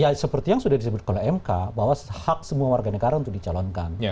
ya seperti yang sudah disebutkan oleh mk bahwa hak semua warga negara untuk dicalonkan